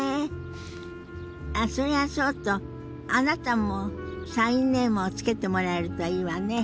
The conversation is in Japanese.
あっそれはそうとあなたもサインネームを付けてもらえるといいわね。